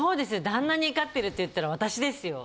旦那に怒ってるっていったら私ですよ。